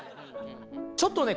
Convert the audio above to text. ちょっとね